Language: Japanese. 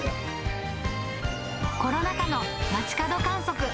コロナ禍の街角観測。